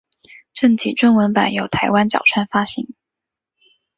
正体中文版由台湾角川发行。